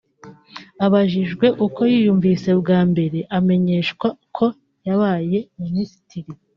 Abajijwe uko yiyumvise bwa mbere amenyeshwa ko yabaye minisitiri